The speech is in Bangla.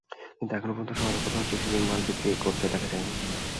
কিন্তু এখন পর্যন্ত শহরে কোথাও টিসিবির মাল বিক্রি করতে দেখা যায়নি।